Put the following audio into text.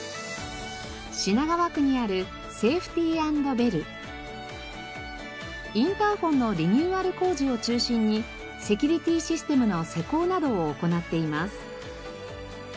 品川区にあるインターホンのリニューアル工事を中心にセキュリティーシステムの施工などを行っています。